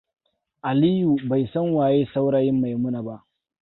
Aliko bai san waye saurayin Maimuna ba.